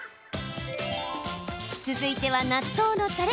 続いては、納豆のたれ。